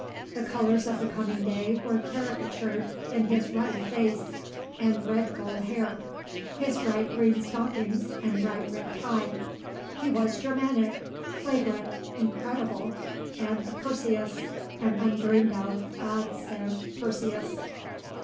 The colours of the coming day were caricatured in his ruddy face and red gold hair, his bright green stockings and bright red tie. He was Germanic, flagrant, incredible, and a Perseus, an undreamed of, God sent Perseus.